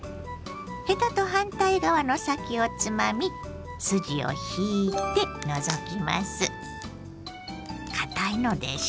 ヘタと反対側の先をつまみ筋を引いて除きます。